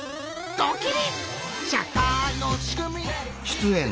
ドキリ！